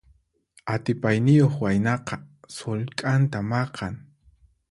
Atipayniyuq waynaqa sullk'anta maqan.